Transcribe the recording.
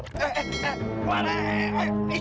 eh eh keluar